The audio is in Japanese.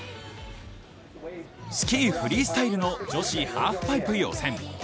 スキーフリースタイルの女子ハーフパイプ予選。